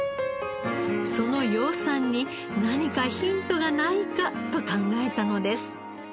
その養蚕に何かヒントがないかと考えたのです。